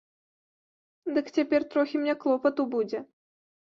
Дык цяпер трохі мне клопату будзе.